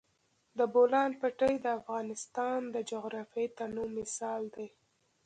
د بولان پټي د افغانستان د جغرافیوي تنوع مثال دی.